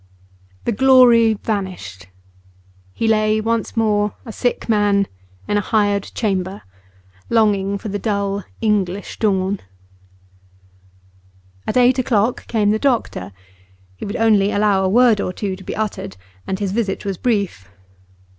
The glory vanished. He lay once more a sick man in a hired chamber, longing for the dull English dawn. At eight o'clock came the doctor. He would allow only a word or two to be uttered, and his visit was brief.